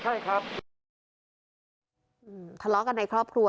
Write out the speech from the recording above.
ใช่ครับทะเลาะกันในครอบครัว